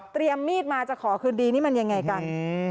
มีดมาจะขอคืนดีนี่มันยังไงกัน